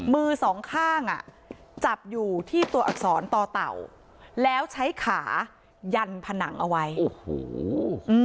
มือสองข้างอ่ะจับอยู่ที่ตัวอักษรต่อเต่าแล้วใช้ขายันผนังเอาไว้โอ้โห